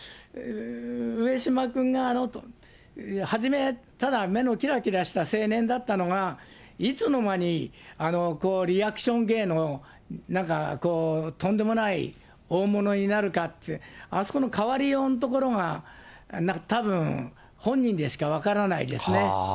上島君がはじめ、ただ、目のきらきらした青年だったのが、いつの間に、こうリアクション芸のとんでもない大物になるかって、あそこの変わりようのところが、たぶん本人でしか分からないですね。